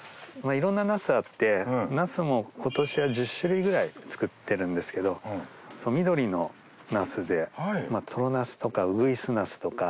いろんなナスあってナスも今年は１０種類くらい作ってるんですけど緑のナスでトロナスとかウグイスナスとか。